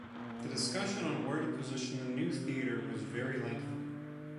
The discussion on where to position the new theater was very lengthy.